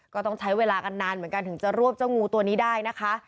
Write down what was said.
ก็ต้องใช้เวลากันนานเหมือนกันถึงจะรวบเจ้างูตัวนี้ได้นะคะ